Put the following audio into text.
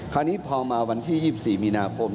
คราวนี้พอมาวันที่๒๔มีนาคม